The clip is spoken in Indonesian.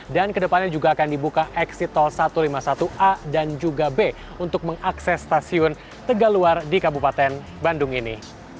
dan kedepannya juga akan dibuka eksit tol satu ratus lima puluh satu a dan juga b untuk mengakses stasiun tegaluar di kabupaten bandung ini